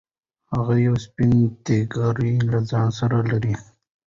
هغه یو سپین ټیکری له ځان سره لري.